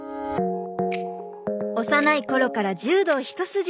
幼い頃から柔道一筋。